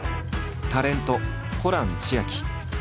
タレントホラン千秋。